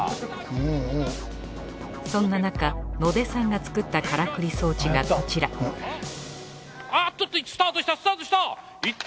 そんななか野出さんが作ったからくり装置がこちらあぁっとスタートしたスタートした。